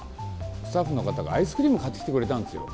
スタッフの方がアイスクリーム買ってきてくれたんですよ。